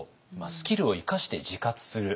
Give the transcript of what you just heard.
スキルを生かして自活する。